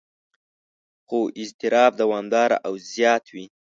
خو اضطراب دوامداره او زیات وي.